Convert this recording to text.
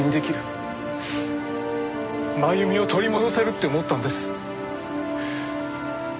真由美を取り戻せるって思ったんです。